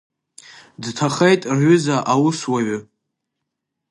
Дҭахеит рҩыза аусуаҩы.